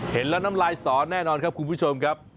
เห็นแล้วน้ำลายสอนแน่นอนครับคุณผู้ชมครับ